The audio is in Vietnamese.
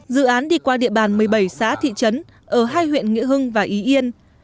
dự án đi qua địa bàn một mươi bảy xã thị trấn ở hai huyện nghĩa hưng và ý yên